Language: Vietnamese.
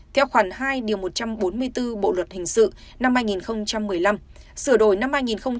theo khoản hai điều một trăm bốn mươi bốn bộ luật hình sự năm hai nghìn một mươi năm sửa đổi năm hai nghìn một mươi bảy